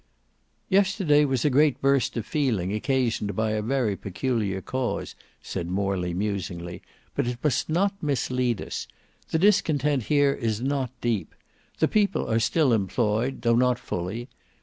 "Yesterday was a great burst of feeling occasioned by a very peculiar cause," said Morley musingly; "but it must not mislead us. The discontent here is not deep. The people are still employed, though not fully.